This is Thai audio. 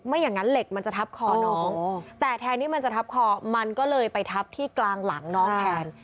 อย่างนั้นเหล็กมันจะทับคอน้องแต่แทนที่มันจะทับคอมันก็เลยไปทับที่กลางหลังน้องแทน